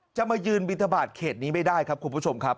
มายืนบินทบาทเขตนี้ไม่ได้ครับคุณผู้ชมครับ